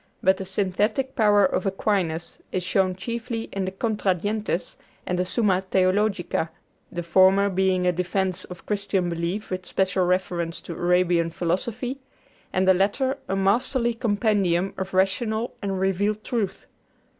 But the synthetic power of Aquinas is shown chiefly in the 'Contra Gentes' and the 'Summa Theologica,' the former being a defense of Christian belief with special reference to Arabian philosophy, and the latter a masterly compendium of rational and revealed truth.